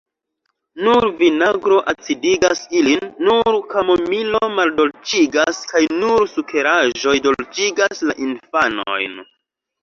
Nur vinagro acidigas ilin, nur kamomilo maldolĉigas, kaj nur sukeraĵoj dolĉigas la infanojn.